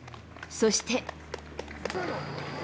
そして。